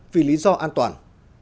vì lý do an toàn